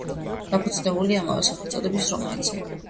დაფუძნებულია ამავე სახელწოდების რომანზე.